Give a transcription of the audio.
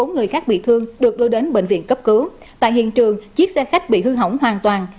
một mươi bốn người khác bị thương được đưa đến bệnh viện cấp cứu tại hiện trường chiếc xe khách bị hư hỏng hoàn toàn